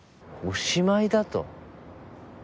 おしまいだと？